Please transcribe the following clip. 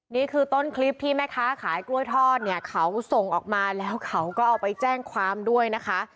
นี่คือต้นคลิปที่แม่ค้าขายกล้วยทอดเนี่ยเขาส่งออกมาแล้วเขาก็เอาไปแจ้งความด้วยนะคะ